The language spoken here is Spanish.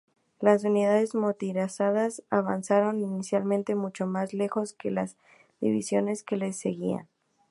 Las unidades motorizadas avanzaron inicialmente mucho más lejos que las divisiones que les seguían.